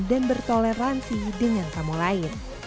dan bertoleransi dengan kamu lain